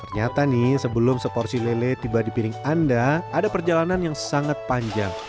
ternyata nih sebelum seporsi lele tiba di piring anda ada perjalanan yang sangat panjang